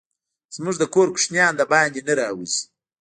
زموږ د کور کوچينان دباندي نه راوزي.